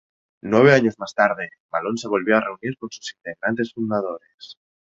Nueve años más tarde Malón se volvió a reunir con sus integrantes fundadores.